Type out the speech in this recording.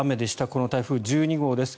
この台風１２号です。